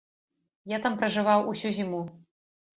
Я там пражываў усю зіму.